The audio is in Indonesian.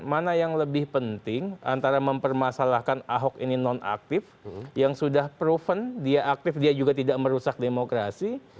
mana yang lebih penting antara mempermasalahkan ahok ini non aktif yang sudah proven dia aktif dia juga tidak merusak demokrasi